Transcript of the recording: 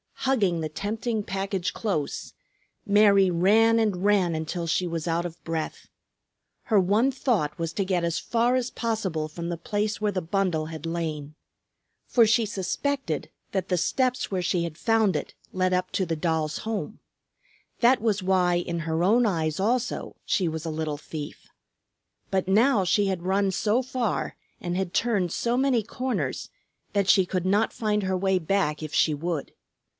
Hugging the tempting package close, Mary ran and ran until she was out of breath. Her one thought was to get as far as possible from the place where the bundle had lain. For she suspected that the steps where she had found it led up to the doll's home. That was why in her own eyes also she was a little thief. But now she had run so far and had turned so many corners that she could not find her way back if she would.